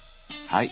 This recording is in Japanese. はい！